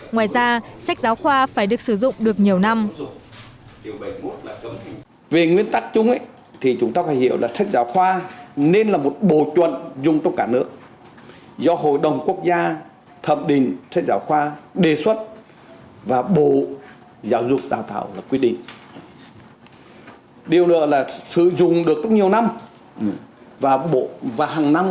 ngoài ra sách giáo khoa phải được sử dụng được nhiều năm